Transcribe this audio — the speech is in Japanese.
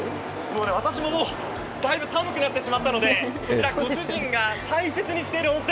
私ももうだいぶ寒くなってしまったのでご主人が大切にしている温泉